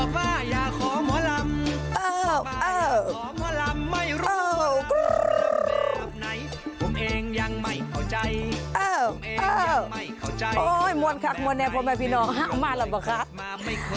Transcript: บอกว่าอย่าขอมหลำเอ่อเอ่อเอ่อเอ่อเอ่อเอ่อเอ่อเอ่อเอ่อเอ่อ